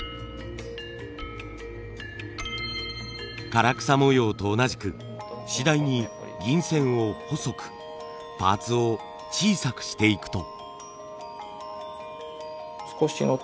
唐草模様と同じく次第に銀線を細くパーツを小さくしていくと。